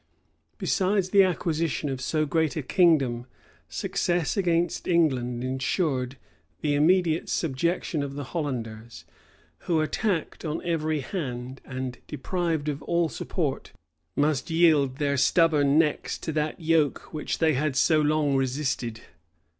Besides the acquisition of so great a kingdom, success against England insured the immediate subjection of the Hollanders, who, attacked on every hand, and deprived of all support, must yield their stubborn necks to that yoke which they had so long resisted.